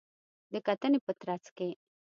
د کتنې په ترڅ کې